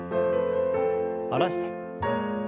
下ろして。